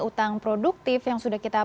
utang produktif yang sudah kita